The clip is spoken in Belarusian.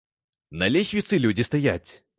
На лесвіцы людзі стаяць!